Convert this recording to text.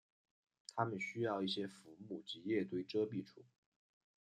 它们需要一些浮木及叶堆遮蔽处。